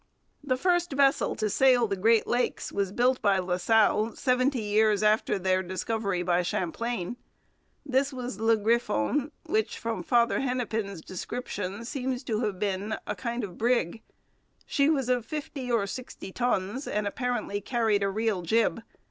The first vessel to sail the Great Lakes was built by La Salle seventy years after their discovery by Champlain. This was Le Griffon, which, from Father Hennepin's description, seems to have been a kind of brig. She was of fifty or sixty tons and apparently carried a real jib.